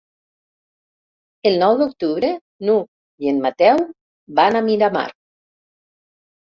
El nou d'octubre n'Hug i en Mateu van a Miramar.